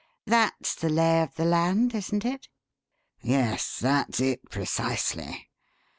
That's the 'lay of the land,' isn't it?" "Yes, that's it precisely.